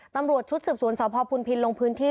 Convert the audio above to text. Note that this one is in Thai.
ตำรวจชุดสืบสวนสพพุนพินลงพื้นที่